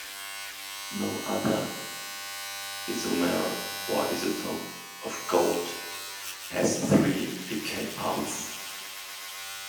No other isomer or isotope of gold has three decay paths.